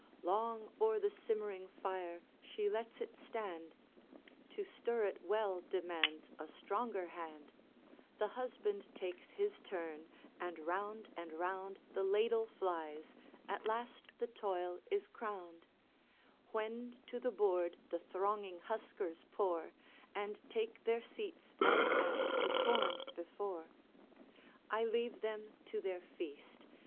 Long o'er the simmering fire she lets it stand; To stir it well demands a stronger hand: The husband takes his turn, and round and round The ladle flies; at last the toil is crowned; When to the board the thronging huskers pour, And take their seats as at the corn before. I leave them to their feast.